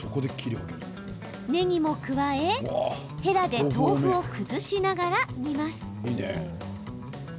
ねぎも加えへらで豆腐を崩しながら煮ます。